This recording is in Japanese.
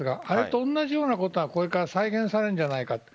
あれと同じようなことがこれから再現されるんじゃないか。